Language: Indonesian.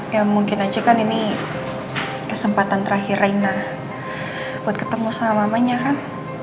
ya mungkin aja kan ini kesempatan terakhir raina buat ketemu sama mamanya kan